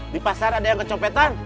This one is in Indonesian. di pasar ada yang kecompetan